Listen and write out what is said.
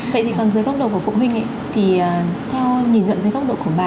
vậy thì còn dưới góc độ của phụ huynh thì theo nhìn nhận dưới góc độ của bà